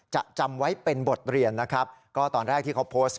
จำไว้เป็นบทเรียนนะครับก็ตอนแรกที่เขาโพสต์